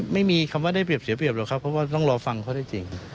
ไม่มีคำว่าได้เปรียบเสียเปรียบหรอกครับเพราะว่าต้องรอฟังเขาได้จริง